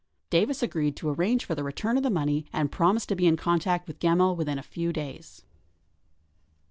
Davis agreed to arrange for the return of the money and promised to be in contact with Gemmill within a few days.